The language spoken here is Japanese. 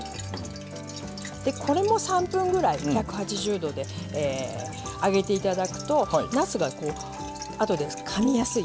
これも３分ぐらい１８０度で揚げていただくとなすが、あとで、かみやすい。